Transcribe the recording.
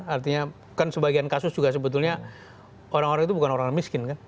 artinya kan sebagian kasus juga sebetulnya orang orang itu bukan orang miskin kan